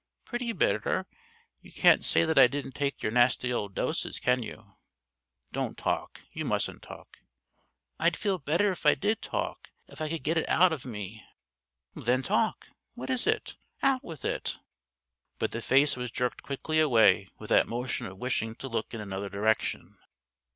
"Pretty bitter. You can't say that I didn't take your nasty old doses, can you?" "Don't talk! You mustn't talk." "I'd feel better if I did talk if I could get it out of me." "Then talk! What is it? Out with it!" But the face was jerked quickly away with that motion of wishing to look in another direction.